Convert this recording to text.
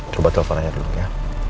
coba telepon aja dulu ya